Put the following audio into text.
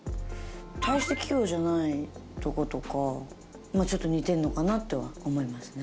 大して器用じゃないとことかちょっと似てるのかなとは思いますね。